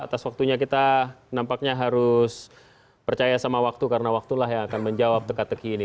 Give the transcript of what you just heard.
atas waktunya kita nampaknya harus percaya sama waktu karena waktulah yang akan menjawab teka teki ini